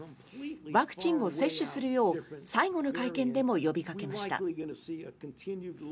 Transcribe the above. ワクチンを接種するよう最後の会見でも呼びかけました。